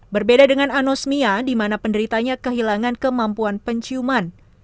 berbeda dengan anosmia di mana penderitanya kehilangan kemampuan penciuman